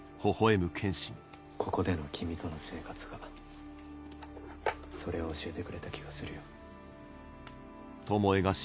ここでの君との生活がそれを教えてくれた気がするよ